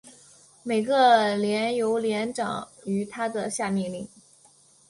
每个连由连长与他的下命令。